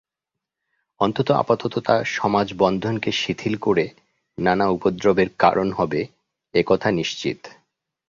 অন্তত আপাতত তা সমাজ-বন্ধনকে শিথিল করে নানা উপদ্রবের কারণ হবে, এ কথা নিশ্চিত।